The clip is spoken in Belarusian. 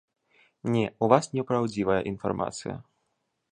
Не, у вас непраўдзівая інфармацыя.